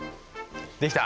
できた？